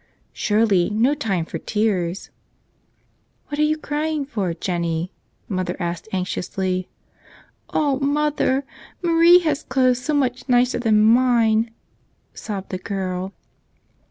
■ Surely, no time for tears. M "What are you crying for, Jennie?" mother asked anxiously. "Oh, mother, Marie has clothes so much nicer than mine," sobbed the girl.